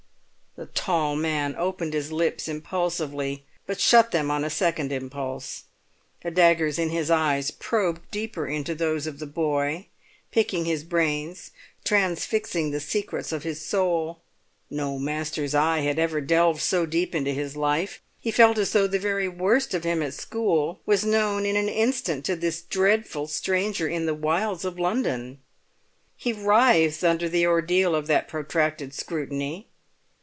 The tall man opened his lips impulsively, but shut them on a second impulse. The daggers in his eyes probed deeper into those of the boy, picking his brains, transfixing the secrets of his soul. No master's eye had ever delved so deep into his life; he felt as though the very worst of him at school was known in an instant to this dreadful stranger in the wilds of London. He writhed under the ordeal of that protracted scrutiny.